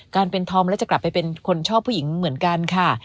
การเป็นธอมและจะกลับไปเป็นคนชอบผู้หญิงเหมือนกันค่ะ